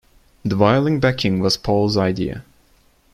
The violin backing was Paul's idea.